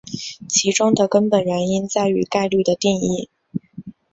其中的根本原因在于概率的定义。